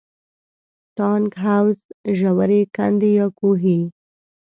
ټانک، حوض، ژورې کندې یا کوهي.